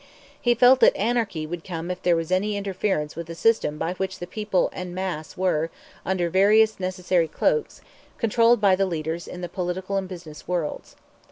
He felt that anarchy would come if there was any interference with a system by which the people in mass were, under various necessary cloaks, controlled by the leaders in the political and business worlds.